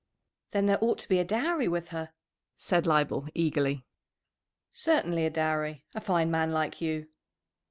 "Then there ought to be a dowry with her," said Leibel eagerly. "Certainly a dowry! A fine man like you!"